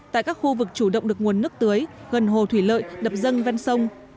tại các khu vực chủ động được nguồn nước tưới gần hồ thủy lợi đập dân ven sông